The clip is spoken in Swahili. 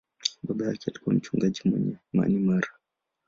Baba yake alikuwa mchungaji mwenye imani imara.